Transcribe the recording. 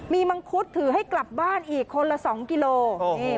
มีมังคุดถือให้กลับบ้านอีกคนละ๒กิโล